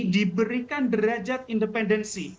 diberikan derajat independensi